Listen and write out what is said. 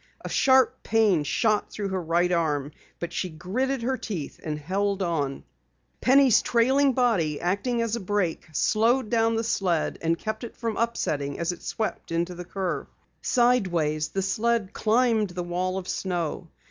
A sharp pain shot through her right arm, but she gritted her teeth and held on. Penny's trailing body, acting as a brake, slowed down the sled and kept it from upsetting as it swept into the curve. Sideways it climbed the wall of snow.